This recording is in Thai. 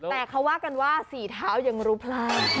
แต่เขาว่ากันว่าสี่เท้ายังรู้พลาด